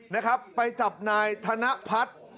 นะครับไปจับนายธนพัฒน์